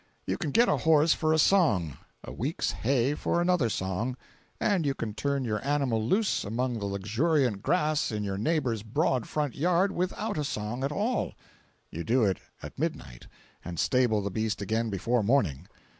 You can get a horse for a song, a week's hay for another song, and you can turn your animal loose among the luxuriant grass in your neighbor's broad front yard without a song at all—you do it at midnight, and stable the beast again before morning.